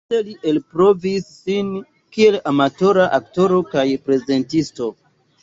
Poste li elprovis sin kiel amatora aktoro kaj prezentisto.